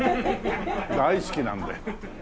大好きなので。